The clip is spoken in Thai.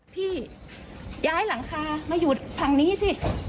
พี่ย้ายหลังคามาอยู่ทางนี้สิ